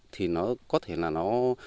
thì nó có thể là nó